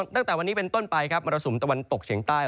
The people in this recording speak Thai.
ตั้งแต่วันนี้เป็นต้นไปครับมรสุมตะวันตกเฉียงใต้